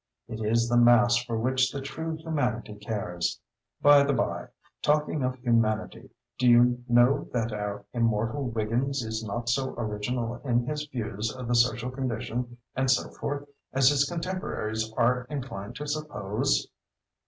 It is the mass for which the true Humanity cares. By the by, talking of Humanity, do you know that our immortal Wiggins is not so original in his views of the Social Condition and so forth, as his contemporaries are inclined to suppose?